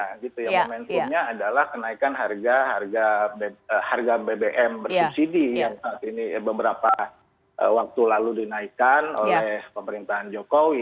momentumnya adalah kenaikan harga bbm bersubsidi yang beberapa waktu lalu dinaikkan oleh pemerintahan jokowi